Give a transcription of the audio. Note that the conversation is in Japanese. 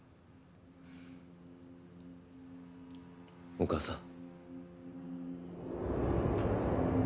お母さん。